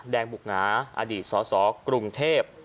แดงบุกงาอดีตสสกรุงเทพ